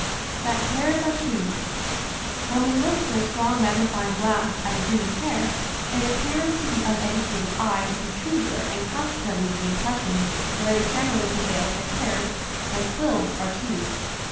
THAT HAIRS ARE TUBES [EN we look through a strong magnifying glass at a human hair it appears to the uneducated eye to be tubular and consequently the impres sion very generally prevails that hairs, like quills, are tubes.